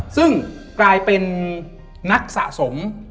ซึ่งกลายเป็นนักสะสม